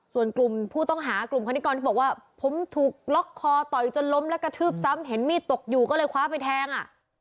ส่วนกลุ่มผู้ต้องหากลุ่มคณิกรก็บอกว่าผมถูกล็อกคอต่อยจนล้มแล้วกระทืบซ้ำเห็นมีดตกอยู่ก็เลยคว้าไปแทงอ่ะ